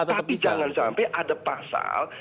tapi jangan sampai ada pasal